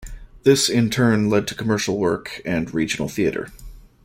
This, in turn, led to commercial work and regional theatre.